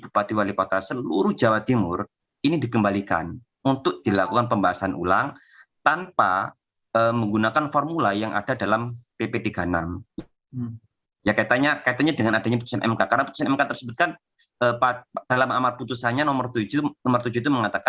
pada saat itu pemerintah jawa timur mengundang keputusan pmbk